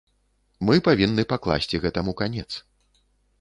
Мы павінны пакласці гэтаму канец.